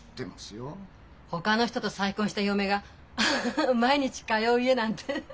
ほかの人と再婚した嫁が毎日通う家なんて。